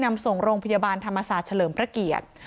นำส่งโรงพยาบาลธรรมศาสตร์เฉลิมพระเกียรติ